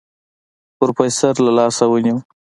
پروفيسر له لاسه ونيو.